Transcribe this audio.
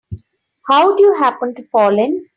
How'd you happen to fall in?